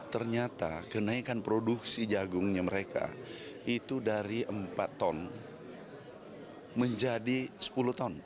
ternyata kenaikan produksi jagungnya mereka itu dari empat ton menjadi sepuluh ton